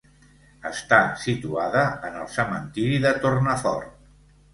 Està situada en el cementiri de Tornafort.